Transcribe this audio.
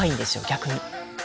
逆に。